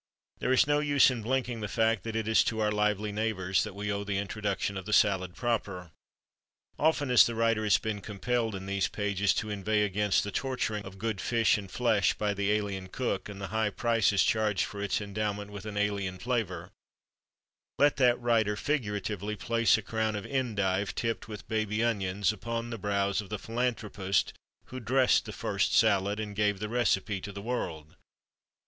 There is no use in blinking the fact that it is to our lively neighbours that we owe the introduction of the salad proper. Often as the writer has been compelled, in these pages, to inveigh against the torturing of good fish and flesh by the alien cook, and the high prices charged for its endowment with an alien flavour, let that writer (figuratively) place a crown of endive, tipped with baby onions, upon the brows of the philanthropist who dressed the first salad, and gave the recipe to the world.